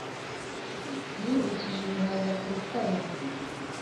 niyubikije ibihaza ku rutaro!